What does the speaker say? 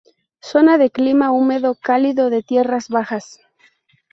Zona de clima húmedo cálido de tierras bajas.